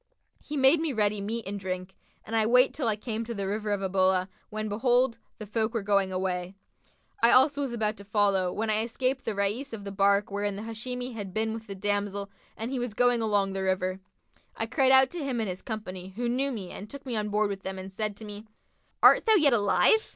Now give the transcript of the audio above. He made me ready meat and drink and I went till I came to the River of Ubullah, when, behold, the folk were going away: I also was about to follow, when I espied the Rais of the bark wherein the Hashimi had been with the damsel and he was going along the river. I cried out to him and his company who knew me and took me on board with them and said to me, 'Art thou yet alive?'